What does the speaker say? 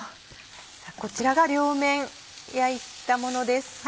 こちらが両面焼いたものです。